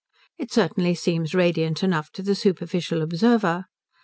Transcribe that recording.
It certainly seems radiant enough to the superficial observer.